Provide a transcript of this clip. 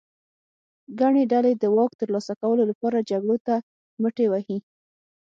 ګڼې ډلې د واک ترلاسه کولو لپاره جګړو ته مټې وهي.